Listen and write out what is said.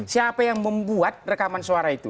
siapa yang membuat rekaman suara itu